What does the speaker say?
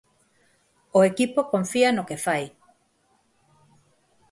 O equipo confía no que fai.